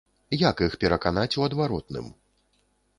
Як іх пераканаць у адваротным?